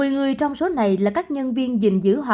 một mươi người trong số này là các nhân viên dình giữ hòa